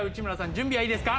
準備はいいですか？